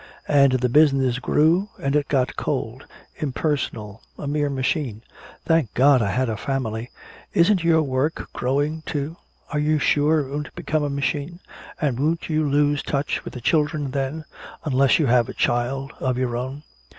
And the business grew and it got cold impersonal, a mere machine. Thank God I had a family. Isn't your work growing too? Are you sure it won't become a machine? And won't you lose touch with the children then, unless you have a child of your own?